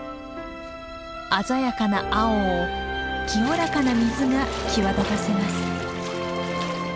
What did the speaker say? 鮮やかな青を清らかな水が際立たせます。